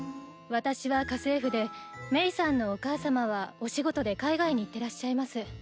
私は家政婦で鳴さんのお母様はお仕事で海外に行ってらっしゃいます